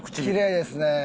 きれいですね。